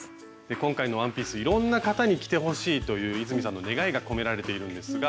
今回のワンピースいろんな方に着てほしいという泉さんの願いが込められているんですが。